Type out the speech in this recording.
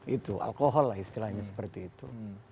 itu alkohol lah istilahnya seperti itu